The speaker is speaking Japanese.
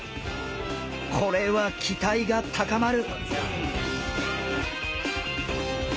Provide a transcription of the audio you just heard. これは期待が高まる！